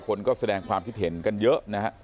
คนก็แสดงความคิดเห็นกันเยอะนะฮะ